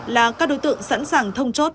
là các đối tượng sẵn sàng thông chốt